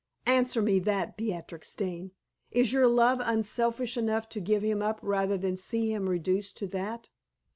Answer me that, Beatrix Dane! Is your love unselfish enough to give him up rather than see him reduced to that?"